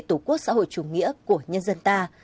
tổ quốc xã hội chủ nghĩa của nhân dân ta